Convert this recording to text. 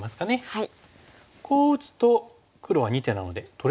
はい。